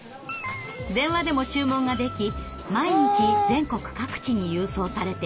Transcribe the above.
電話でも注文ができ毎日全国各地に郵送されています。